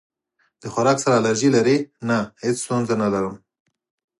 د خوراک سره الرجی لرئ؟ نه، هیڅ ستونزه نه لرم